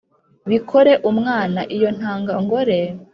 bikore umwana iyo ntangangore